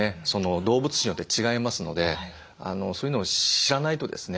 動物種によって違いますのでそういうのを知らないとですね